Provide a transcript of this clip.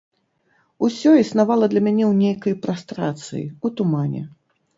Усё існавала для мяне ў нейкай прастрацыі, у тумане.